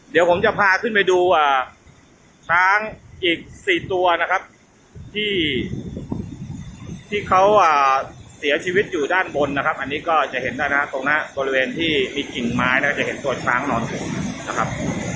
เดี๋ยวผมจะพาขึ้นไปดูช้างอีก๔ตัวนะครับที่เขาเสียชีวิตอยู่ด้านบนนะครับอันนี้ก็จะเห็นนะฮะตรงนั้นบริเวณที่มีกิ่งไม้นะจะเห็นตัวช้างนอนอยู่นะครับ